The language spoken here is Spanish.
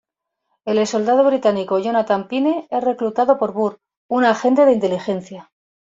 El exsoldado británico Jonathan Pine es reclutado por Burr, una agente de inteligencia.